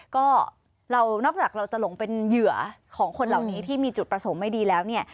ก็เรานอกจากเราจะหลงเป็นเหยื่อของคนเหล่านี้ที่มีจุดประสงค์ไม่ดีแล้วเนี่ย